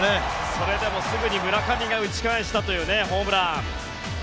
それでも、すぐに村上が打ち返したというホームラン。